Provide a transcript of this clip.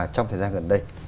trong thời gian gần đây